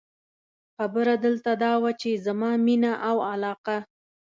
خبره دلته دا وه، چې زما مینه او علاقه.